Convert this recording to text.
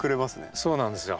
そうなんですよ。